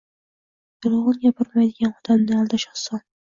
Yolg‘on gapirmaydigan odamni aldash oson.